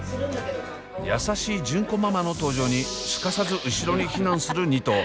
優しい純子ママの登場にすかさず後ろに避難する２頭。